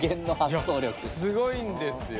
スゴいんですよ。